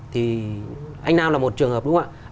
thì anh nam là một trường hợp đúng không ạ